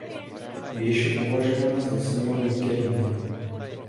Věž je považována za symbol Makedonie.